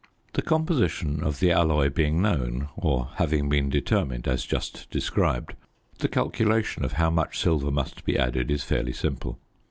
The composition of the alloy being known, or having been determined as just described, the calculation of how much silver must be added is fairly simple.